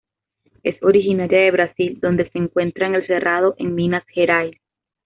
Es originaria de Brasil donde se encuentra en el Cerrado en Minas Gerais.